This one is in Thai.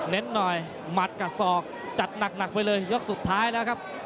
หน่อยหมัดกับศอกจัดหนักไปเลยยกสุดท้ายแล้วครับ